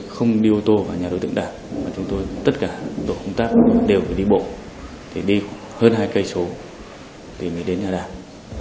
không đi ô tô vào nhà đối tượng đảng tất cả tổ công tác đều phải đi bộ đi hơn hai km thì mới đến nhà đảng